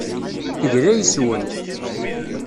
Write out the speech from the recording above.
Tegla yes-wen.